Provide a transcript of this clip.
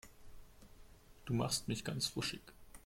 Du machst mich ganz wuschig.